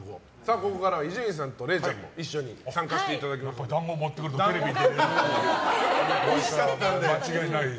ここからは伊集院さんとれいちゃんも一緒に参加していただこうと思います。